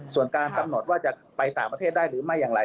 ส่วนการกำหนดว่าจะไปต่างประเทศได้หรือไม่อย่างไร